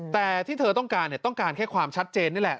แต่ที่เธอต้องการต้องการแค่ความชัดเจนนี่แหละ